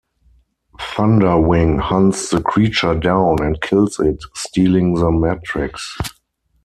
Thunderwing hunts the creature down and kills it, stealing the Matrix.